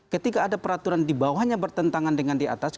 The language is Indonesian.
ketika ada peraturan di bawahnya bertentangan dengan di atas